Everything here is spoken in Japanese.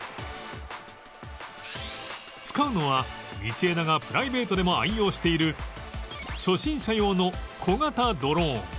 使うのは道枝がプライベートでも愛用している初心者用の小型ドローン